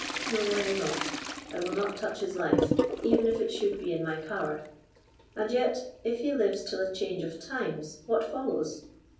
No, I will not; I will not touch his life, even if it should be in my power; and yet, if he lives till a change of times, what follows?